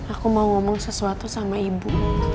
aku mau ngomong sesuatu sama ibu